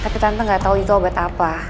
tapi tante gak tau itu obat apa